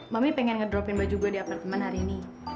mama pengen ngedropin baju gue di apartemen hari ini